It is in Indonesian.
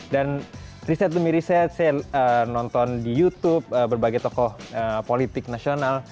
dan riset demi riset saya nonton di youtube berbagai tokoh politik nasional